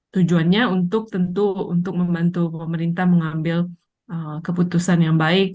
tujuannya untuk tentu untuk membantu pemerintah mengambil keputusan yang baik